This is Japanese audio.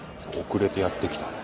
遅れてやってきたね。